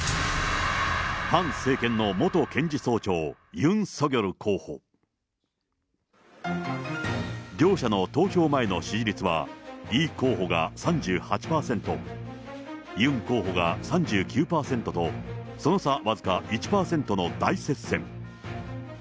反政権の元検事総長、ユン・ソギョル候補。両者の投票前の支持率は、イ候補が３８％、ユン候補が３９％と、その差僅か１％の大接戦。